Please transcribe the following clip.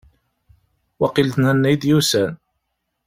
Waqil d Nanna i d-yusan.